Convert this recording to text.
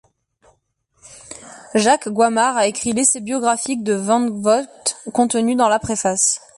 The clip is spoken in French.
Jacques Goimard a écrit l'essai biographique de van Vogt contenu dans la préface.